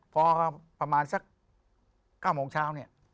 พอประมาณสัก๙โมงเช้า